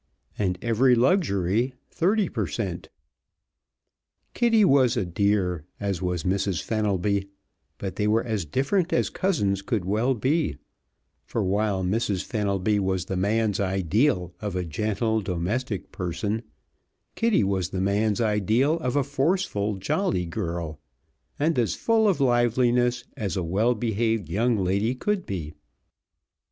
and every luxury thirty per cent. Kitty was a dear, as was Mrs. Fenelby, but they were as different as cousins could well be, for while Mrs. Fenelby was the man's ideal of a gentle domestic person, Kitty was the man's ideal of a forceful, jolly girl, and as full of liveliness as a well behaved young lady could be.